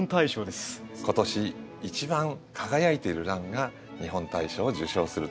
今年一番輝いてるランが日本大賞を受賞すると。